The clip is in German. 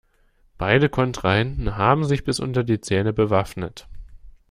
Beide Kontrahenten haben sich bis unter die Zähne bewaffnet.